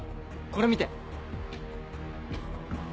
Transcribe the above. これ見て！